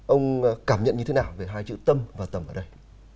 ông cảm nhận như thế nào về hai chữ tâm và tầm ở đây